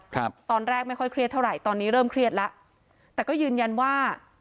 ครับตอนแรกไม่ค่อยเครียดเท่าไหร่ตอนนี้เริ่มเครียดแล้วแต่ก็ยืนยันว่า